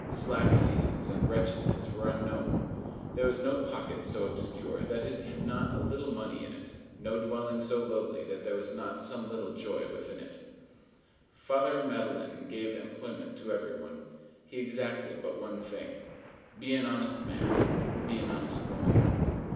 Slack seasons and wretchedness were unknown. There was no pocket so obscure that it had not a little money in it; no dwelling so lowly that there was not some little joy within it. Father Madeleine gave employment to every one. He exacted but one thing: Be an honest man. Be an honest woman.